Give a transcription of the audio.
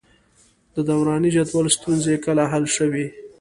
د دوراني جدول ستونزې کله حل شوې؟